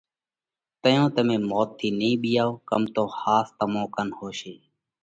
تئيون تمي موت ٿِي نئين ٻِيئائو ڪم تو ۿاس تمون ڪنَ هوشي۔